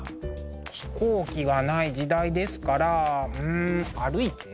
飛行機がない時代ですからうん歩いて？